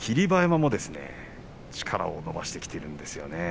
霧馬山も力を伸ばしてきています。